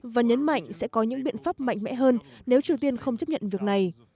và nhấn mạnh sẽ có những biện pháp mạnh mẽ hơn nếu triều tiên không chấp nhận việc này